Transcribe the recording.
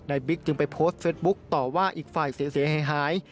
บิ๊กจึงไปโพสต์เฟสบุ๊คต่อว่าอีกฝ่ายเสียหาย